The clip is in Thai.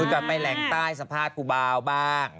กับไปแหล่งใต้สภาพกุบาวบ้าง